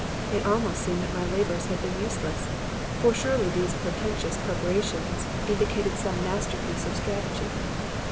It almost seemed that my labors had been useless; for surely these portentous preparations indicated some masterpiece of strategy.